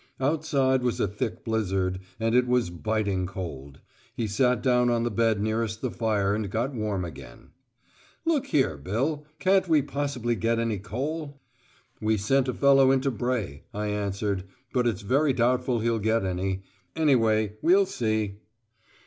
Outside was a thick blizzard, and it was biting cold. He sat down on the bed nearest the fire and got warm again. "Look here, Bill, can't we possibly get any coal?" "We sent a fellow into Bray," I answered, "but it's very doubtful if he'll get any. Anyway we'll see."